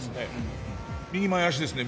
右前足ですね